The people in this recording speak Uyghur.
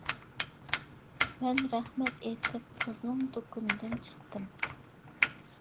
مەن رەھمەت ئېيتىپ قىزنىڭ دۇكىنىدىن چىقتىم.